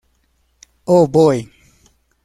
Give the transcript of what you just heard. Oh, Boy!